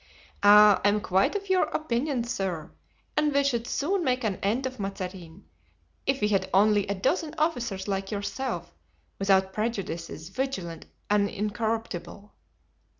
"Ah! I am quite of your opinion, sir, and we should soon make an end of Mazarin if we had only a dozen officers like yourself, without prejudices, vigilant and incorruptible."